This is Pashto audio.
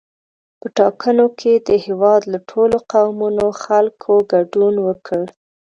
په ټاکنو کې د هېواد له ټولو قومونو خلکو ګډون وکړ.